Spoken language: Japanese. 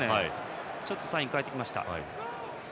ちょっとサインを変えました。